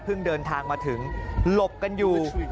เดินทางมาถึงหลบกันอยู่